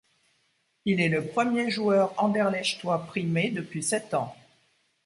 Il est le premier joueur anderlechtois primé depuis sept ans.